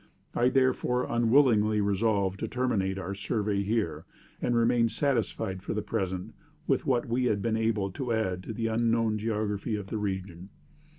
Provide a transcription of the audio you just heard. I therefore unwillingly resolved to terminate our survey here, and remain satisfied for the present with what we had been able to add to the unknown geography of the region.